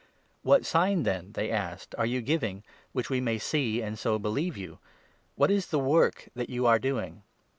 " What sign, then," they asked, " are you giving, which we 30 may see, and so believe you ? What is the work that you are doing